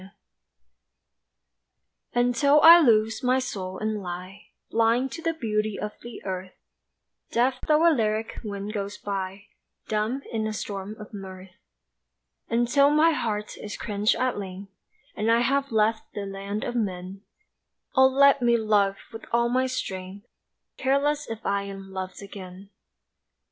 A PRAYER UNTIL I lose my soul and lie Blind to the beauty of the earth, Deaf tho' a lyric wind goes by, Dumb in a storm of mirth; Until my heart is quenched at length And I have left the land of men, Oh let me love with all my strength Careless if I am loved again.